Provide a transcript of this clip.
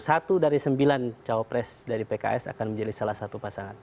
satu dari sembilan cawapres dari pks akan menjadi salah satu pasangan